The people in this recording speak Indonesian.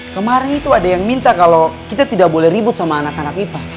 kemarin itu ada yang minta kalau kita tidak boleh ribut sama anak anak kita